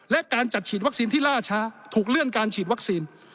และการจัดฉีดวัคซีนที่ล่าช้าถูกเลื่อนการฉีดวัคซีน